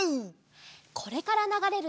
これからながれるえい